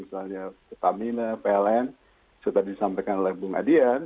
misalnya tamina pln seperti yang disampaikan oleh bang adian